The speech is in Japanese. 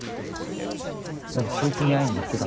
でもそいつに会いに行ってたんだろ？